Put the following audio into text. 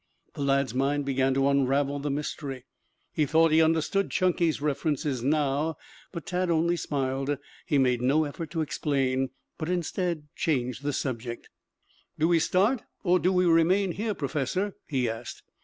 The lad's mind began to unravel the mystery. He thought he understood Chunky's references now, but Tad only smiled. He made no effort to explain, but instead, changed the subject. "Do we start, or do we remain here, Professor?" he asked.